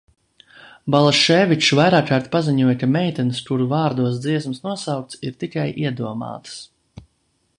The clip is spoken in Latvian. Balaševičs vairākkārt paziņoja, ka meitenes, kuru vārdos dziesmas nosauktas, ir tikai iedomātas.